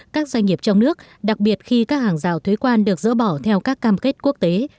các doanh nghiệp trong nước đặc biệt khi các hàng rào thuế quan được dỡ bỏ theo các cam kết quốc tế